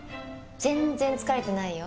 全然疲れてないよ。